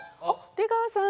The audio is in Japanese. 出川さん。